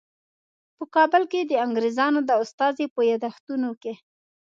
په کابل کې د انګریزانو د استازي په یادښتونو کې.